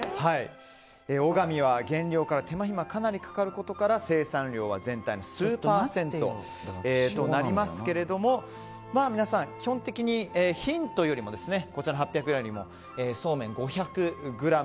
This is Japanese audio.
小神は原料から手間暇がかなりかかることから生産量は全体の数パーセントとなりますけれども皆さん、基本的にヒントよりもこちらの８００ｇよりもそうめん５００ｇ